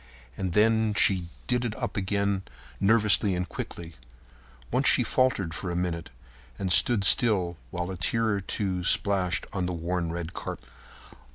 And then she did it up again nervously and quickly. Once she faltered for a minute and stood still while a tear or two splashed on the worn red carpet.